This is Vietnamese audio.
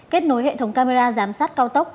kết nối hệ thống camera giám sát cao tốc